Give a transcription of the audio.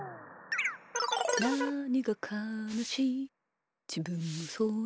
「なにかかなしいじぶんもそうなのに」